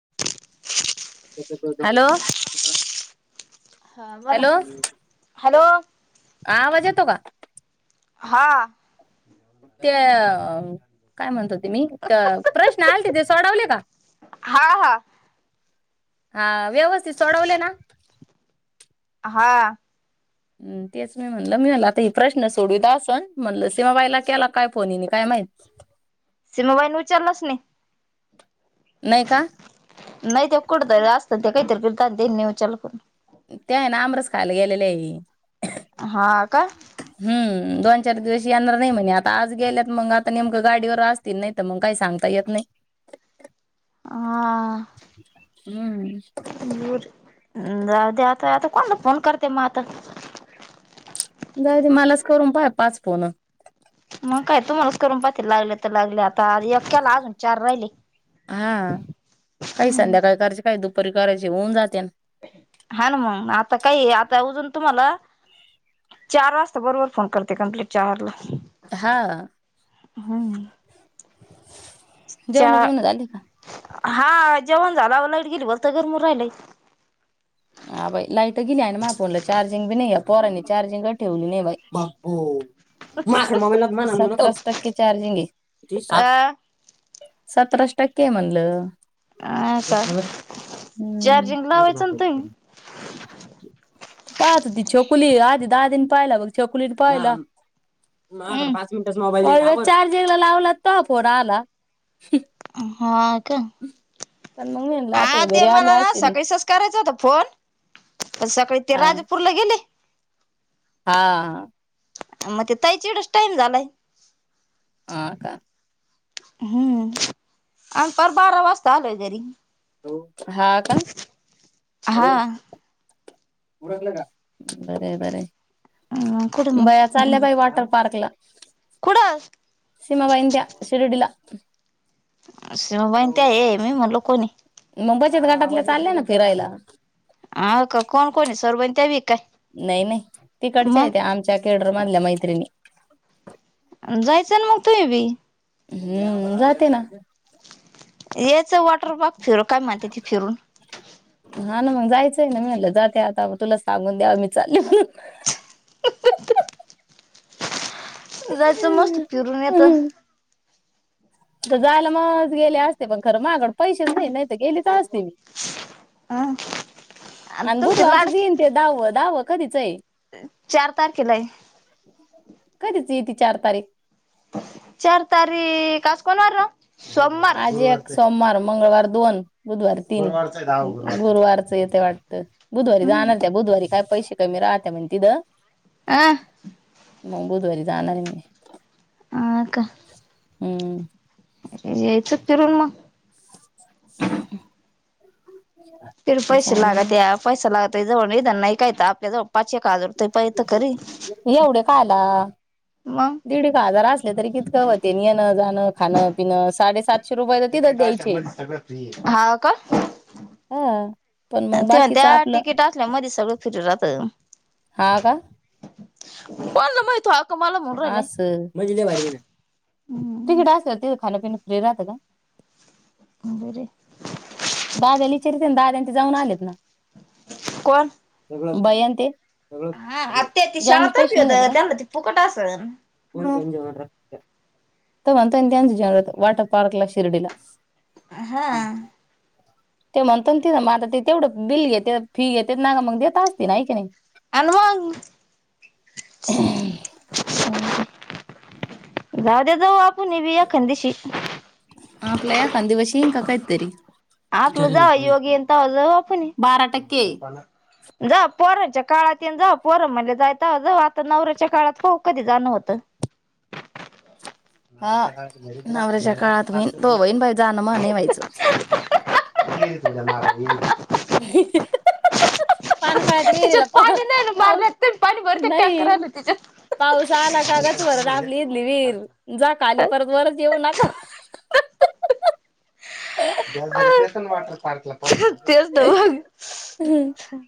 [inaudible] Hello हा बोला hello, hello आवाज येतो का? हा त्या अं म. काय म्हणत होते मी, तर प्रश्न आलते ते सोडवले का? हा हा. हा व्यवस्थित सोडवले ना? हा. हम तेच मी म्हणल, मी म्हणलं आता ही प्रश्न सोडवीत आसन, म्हणल सीमाबाईला केला काय फोन हिने काय माहित? सिमाबाईन विचारलच नाही. नाही का नाही त्या कुठतरी असतात, त्या काहीतरी पण करतात. ह्यानी विचारलं पूर्ण. ते आहे ना आमरस खायला गेलेले आहे. हा काय? हम्म दोन, चार दिवस येणार नाही म्हणे आता आज गेल्यात मग आता नेमकं गाडीवर असतील नाही तर मग काही सांगता येत नाही. हा हम्म दूर जाऊ द्यात. तर आता कोणला फोन करते मग आता? जाऊ दे मलाच करून पाह् पाच फोन. करुन पाहते लागल तर. लागले आता आधी एक केला, अजून चार राहिले हा हम्. पर करायंचे होऊन जात्यान. हा ना मग आता काय ए आता उजून तुम्हाला चार वाजता बरोबर फोन करते कमप्लीट चार ला. हा हम्म. चा जेवण बिवन झाली का? हा जेवण झालाव लाइट गेली होत गरम होऊन राहिलय. हा बाई लाईट गेली आहे ना माझ फोनला चार्जिंग बी नाहीए पोरांनी चार्जिंग कायं ठेवली नाही बाई. [unintelligible] टक्के चार्जिंग ए. अ सतराचं टक्केयं म्हणलं. हा का [unintelligible] हम्म चार्जिंग लावायचं ना [unintelligible] तुम्ही [inaudible] पाहत होती छकुली आधी दाद्याने पाहिला मग छकुलीने पाहिला मायाकड पाच हम्म मिनिटच नव्ह [unintelligible] चार्जीगला लावला तवं फोनं आला. हा का पण मग मी म्हणलं आता हा हे ते घरी आले मला ना असतील. सकाळी सच करायचा होता फोन सकाळी ते हा राजपूरला गेले. हा. मग ते ताईचा एवढच टाईम झालाय. हा का हम्म आणि पार बारा वाजता आलोय घरी हॅलो हा का हॅलो हा उरकलं का बरय बरय अ कुठं मग बया चालल्या हम्म बाई वॉटर पार्कला कुठं सीमा बाईन त्या शिरडीला [inaudible] सीमा बाईण त्या ये मी म्हणल कोणे मुंबईचाच घाटातले चालले ना फिरायला हाका कोण कोण सरुबाईन त्याबी नाही नाही तिकडच्या ए त्या आमच्या केड म्हणल्या मैत्रिणी जायचं ना मग तुम्ही बी हम्म जाते ना ये च वॉटर पार्क फिरु काय म्हणत्याती फिरून हा ना मग जायचंय ना मी म्हणलं जाते आता म तुला सांगून द्याव मी चालले म्हणून जायच मस्त फिरून येत हम्म तर जायला मग गेले असते पण खरं माहाकड पैसेच नाही नाही तर गेलीच असते मी आणि तुमची बुधवार च जे लाडकी येईन ते दाव दाव कधीचय चार तारखेलाय कधीच येती चार तारीख चार तारीख आज कोण वार ओ आज एक सोमवार मंगळवार दोन बुधवार तीन गुरुवारच येतय वाट [inaudible] बुधवारी हम्म जाणार त्या बुधवारी काय पैसे कमी राहत्या म्हण तिद अ मंग बुधवारी जाणार ये मी अ का हूं यायच फिरून म [inaudible] फिर पैसे चालेल लागत्या पैसा लागत ते जवळ नाही त्यांनाही काय ताप आपल्या जव एवढे काआला मग दीड एक हजार असले तरी कितकं होते येणं जाणं खाणं पिनं साडे तिकट असल्या मधीच सगळ फ्री ये हा का हा पण मग ते म्हण बाकीच त्या आपलं तिकीट असल्या मदी सगळं फिरीरात हा का कोणला माहित ओ आप असं म्हजे लय भारी [unintelligible] तिकीड असल्यावर तिद खाणपिणं फ्री राहतं का? बरय दाद्याला इचारीते ना दाद्यां न ते जाऊन आलेत ना कोण भैया नं ते हा आत्या ती जेवणाचे शाळातर्फी पैसे नाही आहेत का होत त्यांना ते फुकट आसन ते म्हणता ना जेव [unintelligible] वॉटर पार्क ला शिर्डीला हा ते म्हणता ना तिद म आता ते तेवढं बिल घेत्या फी घेत्यात ना मग देत असतीनं हाय की नाय. आनं मंग जाऊद्या जाऊ आप आपला एखानं दिवश येईन का काय - तरी आपलं जाव योगी येईन तवा जाऊ आपुनी बारा टक्के जा पोरांच्या काळात येन जाव पोर म्हणले जाय तवा जाऊ आता नवऱ्याच्या काळात पाहू कधी जाण होत. हा नवऱ्याच्या काळात होईन तो होईन बाई जाणं म्हा नाई व्हायचं. [inaudible] [unintelligible] पानखाळाच विहिरीला तिच्यात पा पाणी नाही ना पाऊस मारल्यात तुम्ही पाणी भरते टँकर नाही आलं तिच्यात. पाऊस आला का गच भरंल आपली इथली विहिर जा काली परत वरच येऊ नका. देसन वाट पारज तेच तेच हम्म तर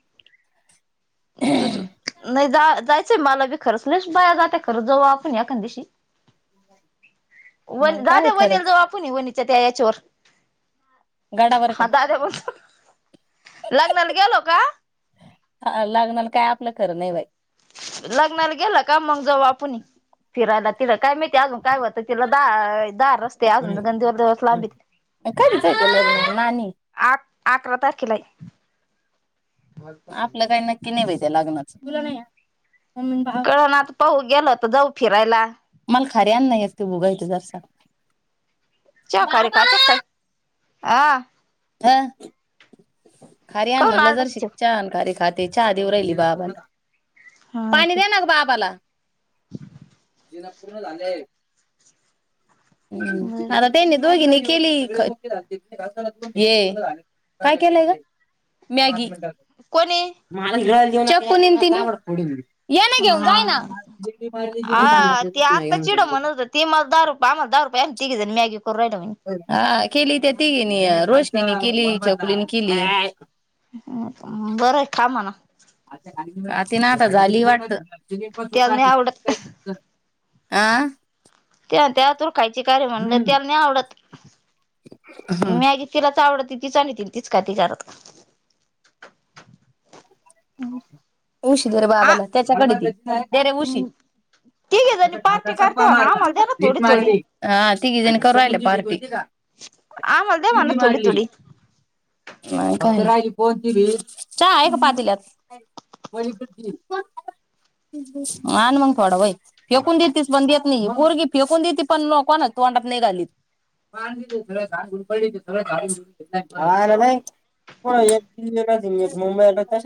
नाही जा जाय मला बी खरंच लश बाया जाते खरंच जाऊ आपण एखान दिशी व मग काय दाद्या खरंच वैनीला जावा पूनी वनी त्या याचोर गडावर का हा दाद्या बसू लग्नाला गेलो का? लग्नाला काय आपलं खरं नाही बाई लग्नाला गेलं का मग जाऊ आपण फिरायला तिला काय माहिती अजून काय होत तिला दा दा रस्ते अजून गंधीवर दिवस लांविती कधीच आहे ते लग्न नाणी आ अकरा तारखेलाय आपलं काही नक्की नाही बाई त्या लग्नाचं तुला नाही कळण आता पाहू गेल तर जाऊ फिरायला. मला खारी आण ना ए ते बघायचं जसा चहा खारी खाती का काय? आ ह खारी आण काऊन म्हणलं जराशीं आरडत चहा आण खारी खात ते चहा देऊ राहिली बाबाला पाणी दे ना गं बाबाला पूर्ण झालेय. हम्म आता तेनी दोघिनी केली हे काय केलंय गं मॅगी कोणी [unintelligible] चक निंती न हा हा सांगितलं ती तर नाही आता चिड आमच्याकडे. म्हणत होत ती मला दहा रूप दहा रूप जा तीघीजन मॅगी [unintelligible] हा केली त्या तीगिणी रोशनीनी केली, छकुलीनी केली. बरंय खा म्हणाव आ ती ना आता झाली वाटतं त्याला नाही आवडत. [unintelligible] आं त्या त्यात कायच का कार्य म्हनल त्याल नाही आवडत. [unintelligible] मॅगी तिलाच आवड तिच आणिती न तीच खाती घरात. [unintelligible] उशी देरे आ बाबाला, त्याच्याकडे दे, देरे उशी. तिघे जणी त्याच्या खालचा पार्टी करते टप्पा म्हणा मारला. आम्हाला द्या ना भित थोडी थोडी मारली. हा तीघीजनी करू राहिले पार्टी. आमाला दया ती म्हणा बी थोडी - मारली थोडी. नाही [unintelligible] राहिली कोनती भी चहा आहे का पातील्यात? [unintelligible] आन मग थोडा वय, फेकून देतीस पण देत नाय, पोरगी फेकून देते पण न कोनाच्या तोंडात नाय घालीत.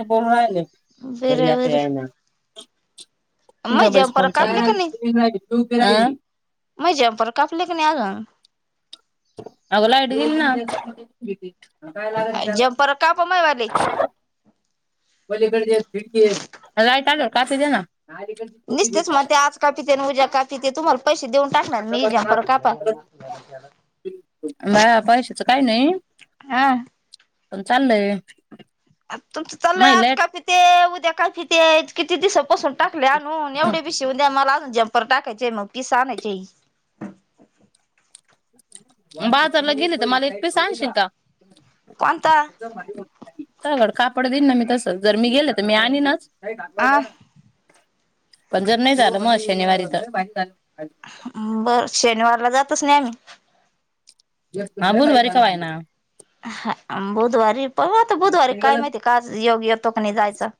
[unintelligible] बरं बरं [unintelligible] मग गप बैस जम्पर फोन कापले चालू [inaudible] [inaudible] मये जम्पर कापले का नाय अजून? अग लाईट गेली ना [unintelligible] ह काय लागेल जम्पर कापा मायवाले त्याला, पलीकडची खिडकीय. लाईट आलेय. [unintelligible] ना अलीकडची छोटी निसतेच भीती म्हणत्या आज कापिते न उद्या कापिते तुम्हाल पैसे देऊन टाकणार मी जम्पर कापा. बाया पैशाचं काही नाही [unintelligible] हा. पण चाललय. [inaudible] तुमच चाललय आज कपिते उ त्या काय कितीयत किती दिसत पसून टाकल्या लाईट आणून एवढे बी शिवून द्या मला. जम्पर टाकयचे, मग पीस आणायचे. बाजारला गेली त मला एक पीस आणशील का? कोणता [unintelligible] कड कापड देईन ना मी तस. जर मी गेले तर मी आणीनच. आ [unintelligible] पण जर नाही झाल म शनिवारी [unintelligible] बर शनिवारला जातच नाय मी. [unintelligible] आहा बुधवारी पाहू आता बुधवारी काय माहिती का योग्य येतो का नाही जायचा.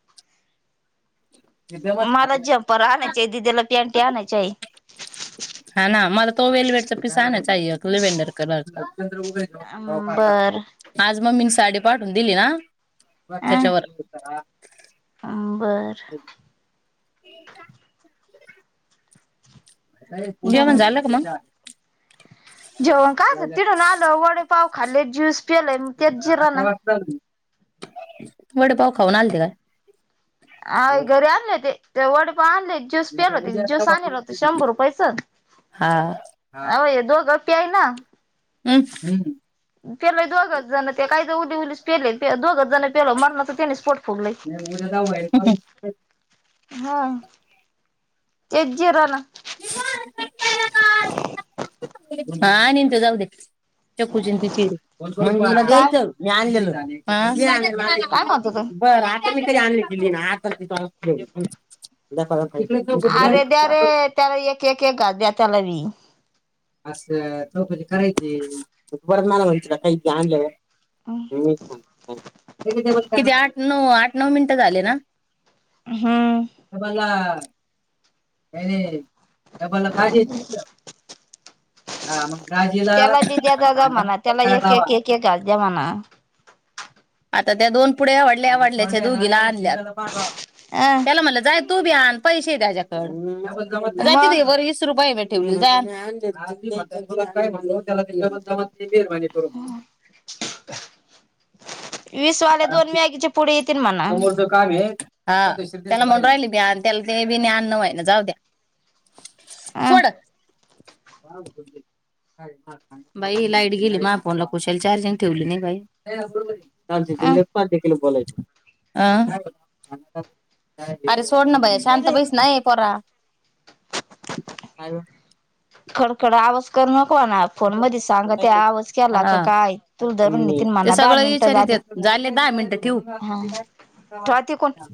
मला जम्पर आणायचेय दीदीला पॅन्टी आणायचेय. हा ना मला तो वेलवेटचा पिस आणाच ताई एक लेवेंडर कलरचा बर आज मम्मी नी साडी पाठहून दिली ना त्याच्यावर हा बरं. जेवण चाल झालं का मग? जेवण का ग तिडून आलं वडे पाव खाल्लेत ज्यूस प्यालायम ते जिरना वडं पाव खाऊन आलते काय? आइ घरी आणल्य ते ते वडे पाव आणले ज्यूस पियल होती, ज्यूस आणेर होती, शंभर रुपयचं हा हा आवय दोघं प्ययना [unintelligible] प्यालाय दोघं जणं ते काय ज उली-उलीस प्याले पे दोघं जणं प्याला, मारणच त्यानेच पोट फुगलाय उद्या जाऊ हा. ते जिरना [unintelligible] हा निंतं जाऊ दे, चक्कू जिंती चिरे मंदीला काय घ्यायचं मी आणलेलं. हा काय म्हणत होतो बरं आता मी तरी आणले दिली ना [unintelligible] उदया, परवा अरे द्या रे त्याला एक एक एक घास द्या त्याला बी. ह [unintelligible] असं चौकशी करायची परत मला मंचीला कायती आणल्य. किती आठ? नऊ आठ नऊ मिनिटं झाले ना. हम्म. हम्म ए मला खाजीव इथं. हा मग राजीला त्याला बी द्या आणि दादा म्हणा भांड्याला त्याला करायला एक, लावा. एक, एक, एक घास द्या म्हणा. आता त्या दोन पुड्या आवडल्या आवडल्याच्या दोघीला आणल्यात. अं त्याला म्हणलं जाय तू बी आण पैसे द्या त्याच्याकड. जाती मग [unintelligible] वीस रुपये भेट. दान [unintelligible] म्हणजे करून. वीसवाले दोन मॅगीचे पुडेईत. समोर दुकान एत. हा त्याला म्हणून राहिली बी आण त्याला ते बी आणन् व्हय ना जाऊ द्या. अं सोड. बाई लाईट गेली मा फोनला कुशाल चार्जिंग ठेवली नाही बाई. चालतंय अं तिला पार्टी केली बोलायचं. आं अरे सोडण बया शांत बर बैस ना ए पोरा काय व खडखड आवासकरण. कोणा फोन मध्ये सांगा ते आवाज केला क हा काय? तु धरून नेतील ते म्हना. दहा सगळं मिनटं विचारित झाली झाले दहा मिनिटं हा ठेवा तीकुण. ठेवू